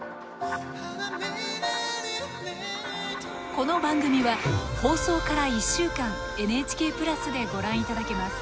この番組は放送から１週間ＮＨＫプラスでご覧いただけます。